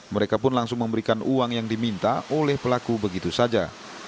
mereka pun langsung memberikan uang yang diminta oleh pelaku begitu saja